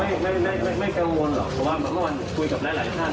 เพราะว่าไม่กังวลพอบางวันคุยกับหลายท่าน